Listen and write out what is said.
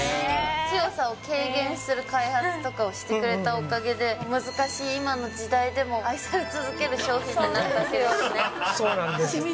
強さを軽減する開発とかをしてくれたおかげで、難しい今の時代でも愛され続ける商品になったということですね。